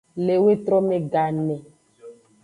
Le wetrome gane.